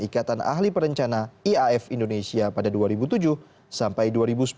ikatan ahli perencana iaf indonesia pada dua ribu tujuh sampai dua ribu sepuluh